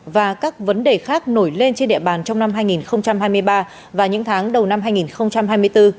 và các vấn đề khác nổi lên trên địa bàn trong năm hai nghìn hai mươi ba và những tháng đầu năm hai nghìn hai mươi bốn